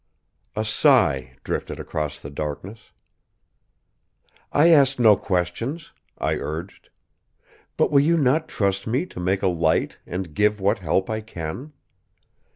A sigh drifted across the darkness. "I ask no questions," I urged. "But will you not trust me to make a light and give what help I can?